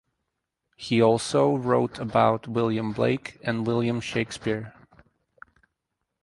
He also wrote about William Blake and William Shakespeare.